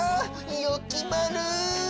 よきまる！